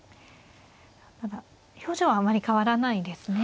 ただ表情はあまり変わらないですね。